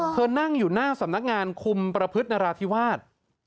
เธอนั่งอยู่หน้าสำนักงานคุมประพฤตินราธิวาส